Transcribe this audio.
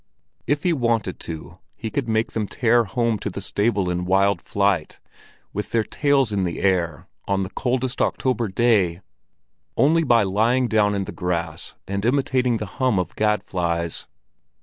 If he wanted to, he could make them tear home to the stable in wild flight, with their tails in the air, on the coldest October day, only by lying down in the grass and imitating the hum of gad flies.